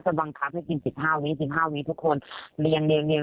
ก็จะบังคับให้กิน๑๕วินาที๑๕วินาทีทุกคน